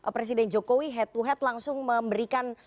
presiden jokowi head to head langsung memberikan